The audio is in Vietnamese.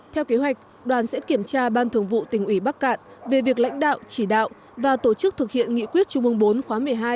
theo kế hoạch đoàn sẽ kiểm tra ban thường vụ tỉnh ủy bắc cạn về việc lãnh đạo chỉ đạo và tổ chức thực hiện nghị quyết trung ương bốn khóa một mươi hai